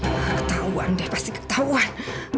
ketahuan dia pasti ketahuan